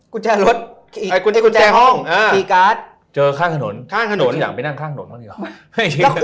กุญแจห้องมีการ์ดเจอข้างถนนข้างถนนอยากไปนั่งข้างถนนบ้างดีหรอ